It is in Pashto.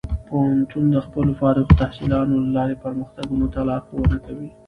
پوهنتون د خپلو فارغ التحصیلانو له لارې پرمختګ ته لارښوونه کوي.